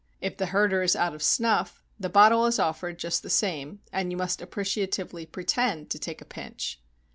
If the herder is out of snuff, the bottle is offered just the same and you must appreciatively pretend to take a pinch.